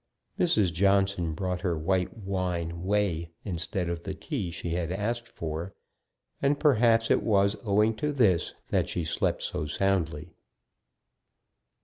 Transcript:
Mrs. Johnson brought her white wine whey instead of the tea she had asked for; and perhaps it was owing to this that she slept so soundly.